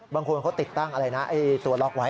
บางคนเขาติดตั้งอะไรนะตัวล็อกไว้